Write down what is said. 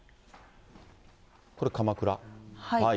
これ、鎌倉？